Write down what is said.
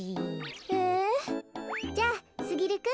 えじゃあすぎるくん。